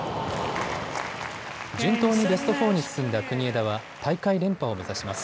順当にベスト４に進んだ国枝は大会連覇を目指します。